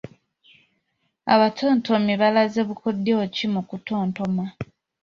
Abatontomi balaze bukodyo ki mu kutontoma?